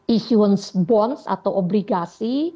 isuance bonds atau obligasi